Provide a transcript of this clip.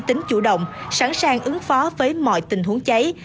tính chủ động sẵn sàng ứng phó với mọi tình huống cháy